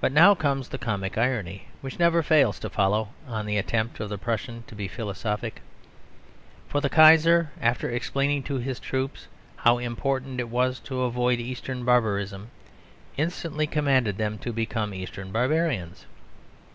But now comes the comic irony; which never fails to follow on the attempt of the Prussian to be philosophic. For the Kaiser, after explaining to his troops how important it was to avoid Eastern Barbarism, instantly commanded them to become Eastern Barbarians.